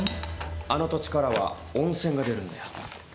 あの土地からは温泉が出るんだよ。